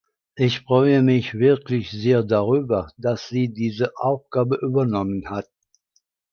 Ich freue mich wirklich sehr darüber, dass sie diese Aufgabe übernommen hat.